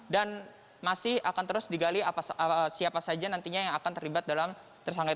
dan masih akan terus digali siapa saja nantinya yang akan terlibat dalam tersangka itu